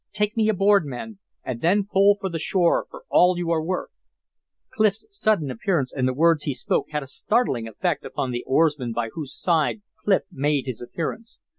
"Take me aboard, men, and then pull for the shore for all you are worth." Clif's sudden appearance and the words he spoke had a startling effect upon the oarsman by whose side Clif made his appearance.